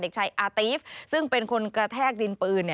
เด็กชายอาตีฟซึ่งเป็นคนกระแทกดินปืน